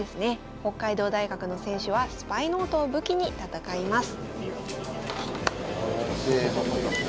北海道大学の選手はスパイノートを武器に戦います。